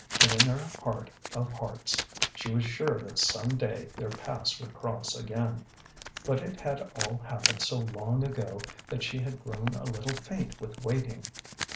And in her heart of hearts she was sure that some day their paths would cross again. But it had all happened so long ago that she had grown a little faint with waiting.